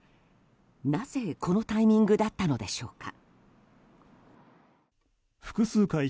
なぜこのタイミングだったのでしょうか。